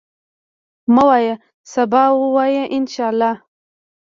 مه وایه سبا، وایه ان شاءالله.